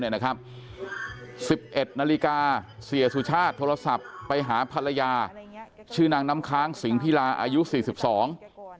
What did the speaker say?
สิบเอ็ดนาฬิกาเสียสุชาติโทรศัพท์ไปหาภรรยาชื่อนางน้ำค้างสิงพิลาอายุสี่สิบสอง